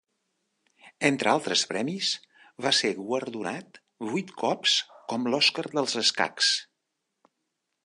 Entre altres premis, va ser guardonat vuit cops amb l'Òscar dels escacs.